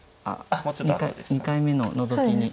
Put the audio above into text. ２回目のノゾキに。